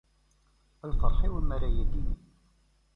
A lferḥ-iw mi ara yi-d-inin.